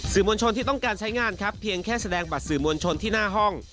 มวลชนที่ต้องการใช้งานครับเพียงแค่แสดงบัตรสื่อมวลชนที่หน้าห้อง